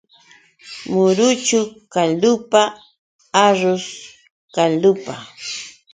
Muruchu kaldupa, arrus kaldupa.